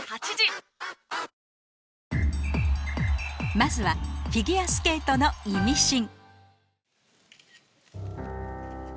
まずはフィギュアスケートのイミシン